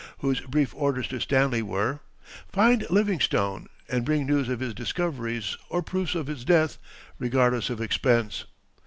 whose brief orders to Stanley were: "Find Livingstone and bring news of his discoveries or proofs of his death, regardless of expense."